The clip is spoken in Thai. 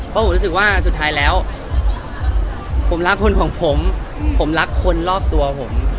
เพราะผมรู้สึกว่าสุดท้ายแล้วผมรักคนของผมผมรักคนรอบตัวผม